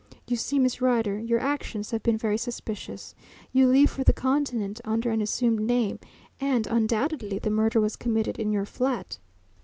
You see, Miss Rider, your actions have been very suspicious. You leave for the Continent under an assumed name, and undoubtedly the murder was committed in your flat."